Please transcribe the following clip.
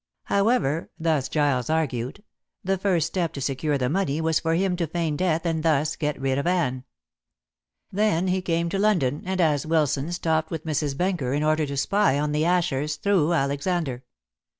However, thus Giles argued, the first step to secure the money was for him to feign death and thus get rid of Anne. Then he came to London, and as Wilson stopped with Mrs. Benker in order to spy on the Ashers through Alexander.